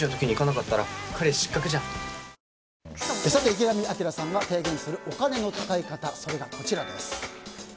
池上彰さんが提言するお金の使い方それがこちらです。